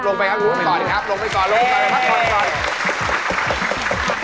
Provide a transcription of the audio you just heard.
ลงไปครับก็ควรนะครับลงไปก่อนโอเค